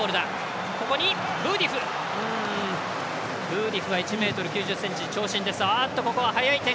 ブーディフは１ｍ９０ｃｍ長身です。